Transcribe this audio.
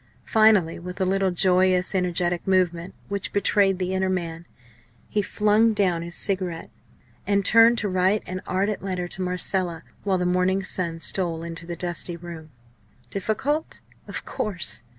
Finally, with a little joyous energetic movement which betrayed the inner man, he flung down his cigarette, and turned to write an ardent letter to Marcella, while the morning sun stole into the dusty room. Difficult? of course!